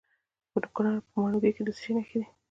د کونړ په ماڼوګي کې د څه شي نښې دي؟